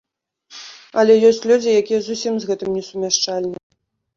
Але ёсць людзі, якія зусім з гэтым не сумяшчальныя.